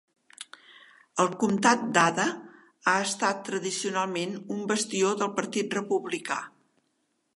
El comtat d'Ada ha estat tradicionalment un bastió del Partit Republicà.